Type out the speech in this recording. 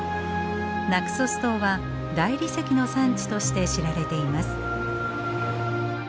ナクソス島は大理石の産地として知られています。